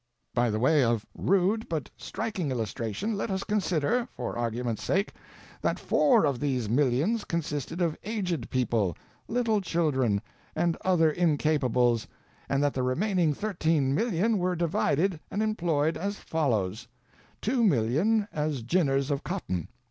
By way of rude but striking illustration, let us consider, for argument's sake, that four of these millions consisted of aged people, little children, and other incapables, and that the remaining 13,000,000 were divided and employed as follows: 2,000,000 as ginners of cotton.